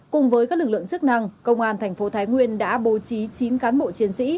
cùng với các lực lượng chức năng công an thành phố thái nguyên đã bố trí chín cán bộ chiến sĩ